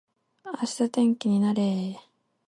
明日天気になれー